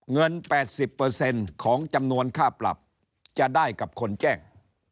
เงิน๘๐ของจำนวนค่าปรับจะได้กับคนแจ้ง